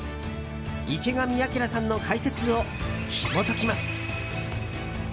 池上彰さんの解説をひも解きます。